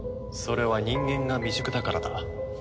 それは人間が未熟だからだ。